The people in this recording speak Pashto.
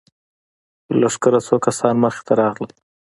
له لښکره څو کسان مخې ته راغلل.